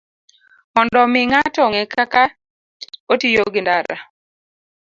Mondo omi ng'ato ong'e kaka otiyo gi ndara,